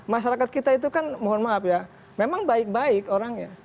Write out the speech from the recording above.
masyarakat kita itu kan mohon maaf ya memang baik baik orangnya